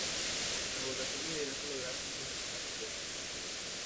Las votaciones debían celebrarse antes del ocaso.